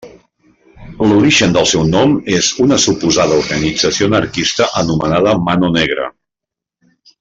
L'origen del seu nom és una suposada organització anarquista anomenada Mano Negra.